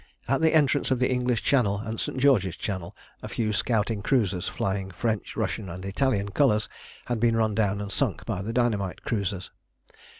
At the entrance of the English Channel and St. George's Channel a few scouting cruisers, flying French, Russian, and Italian colours, had been run down and sunk by the dynamite cruisers.